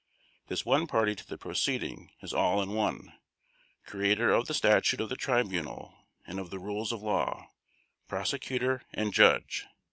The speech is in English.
This one party to the proceeding is all in one: creator of the statute of the Tribunal and of the rules of law, prosecutor and judge.